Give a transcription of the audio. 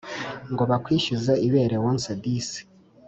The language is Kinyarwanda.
ngo bakwishyuze ibere wonse disi